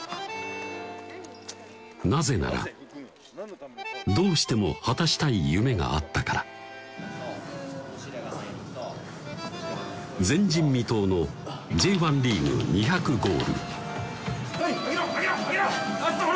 なぜならどうしても果たしたい夢があったから前人未到のＪ１リーグ２００ゴールはい上げろ上げろ上げろ！